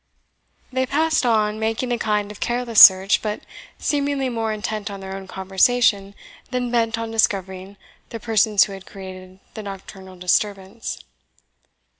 They passed on, making a kind of careless search, but seemingly more intent on their own conversation than bent on discovering the persons who had created the nocturnal disturbance.